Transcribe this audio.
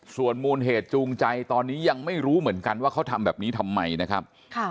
ส่วนมูลเหตุจูงใจตอนนี้ยังไม่รู้เหมือนกันว่าเขาทำแบบนี้ทำไมนะครับ